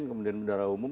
kemudian bendara umum